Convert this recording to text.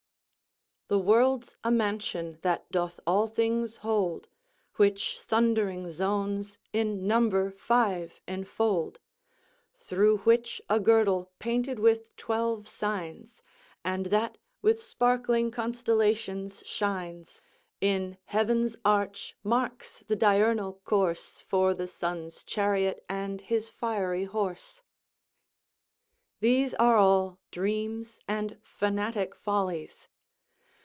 "The world's a mansion that doth all things hold, Which thundering zones, in number five, enfold, Through which a girdle, painted with twelve signs, And that with sparkling constellations, shines, In heaven's arch marks the diurnal course For the sun's chariot and his fiery horse." These are all dreams and fanatic follies.